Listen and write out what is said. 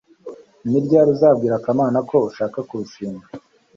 ni ryari uzabwira kamana ko ushaka kurushinga